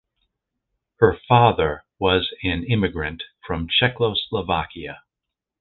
Her father was an immigrant from Czechoslovakia.